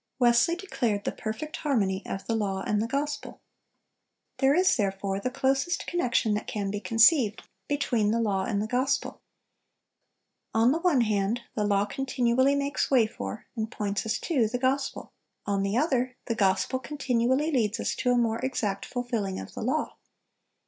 (380) Wesley declared the perfect harmony of the law and the gospel. "There is, therefore, the closest connection that can be conceived, between the law and the gospel. On the one hand, the law continually makes way for, and points us to, the gospel; on the other, the gospel continually leads us to a more exact fulfilling of the law.